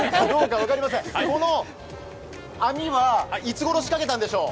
この網はいつごろ仕掛けたんでしょう？